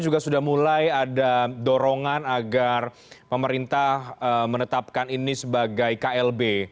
juga sudah mulai ada dorongan agar pemerintah menetapkan ini sebagai klb